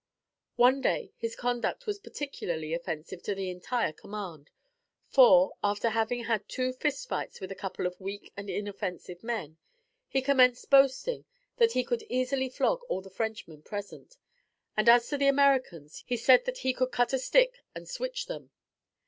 One day his conduct was particularly offensive to the entire command; for, after having had two fist fights with a couple of weak and inoffensive men, he commenced boasting that he could easily flog all the Frenchmen present; and, as to the Americans, he said that "he could cut a stick and switch them."